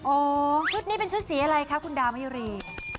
ชุดนี้เป็นชุดสีอะไรคะคุณดามิรี